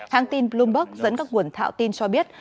hãng tin bloomberg dẫn các nguồn thạo tin cho biết